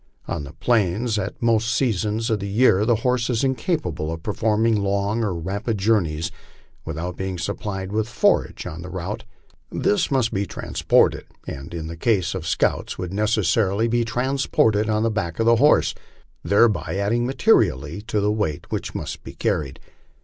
On the plains at most seasons of the year the horse is incapable of performing long or rapid journeys without being supplied with forage on the route. This must be transported, and in the case of scouts would necessarily be transported on the back of the horse, thereby adding materially to the weight which must be carried.